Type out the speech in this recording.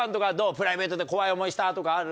プライベートで怖い思いしたとかある？